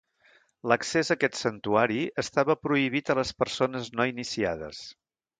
L'accés a aquest santuari estava prohibit a les persones no iniciades.